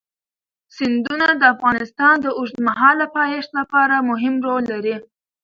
سیندونه د افغانستان د اوږدمهاله پایښت لپاره مهم رول لري.